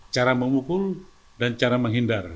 cara memukul dan cara menghindar